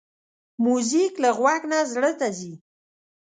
موزیک له غوږ نه زړه ته ځي.